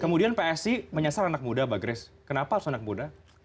kemudian psi menyasar anak muda mbak grace kenapa harus anak muda